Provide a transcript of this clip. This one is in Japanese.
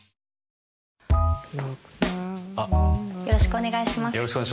よろしくお願いします。